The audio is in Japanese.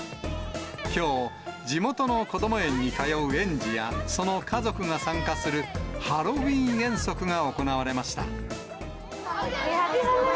きょう、地元のこども園に通う園児や、その家族が参加するハロウィーン遠足が行われました。